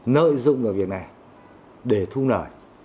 nợ dụng là việc này để thu nợ